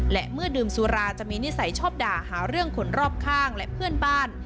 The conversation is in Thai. และเมื่อดื่มสุราจะมีนิสัยชอบด่าหาเรื่องคนรอบข้างและเพื่อนบ้าน